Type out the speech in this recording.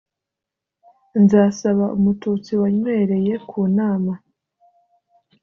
Nzasaba Umututsi wanywereye ku nama,